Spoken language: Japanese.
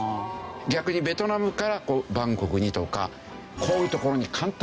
逆にベトナムからバンコクにとかこういう所に簡単に行けるんです。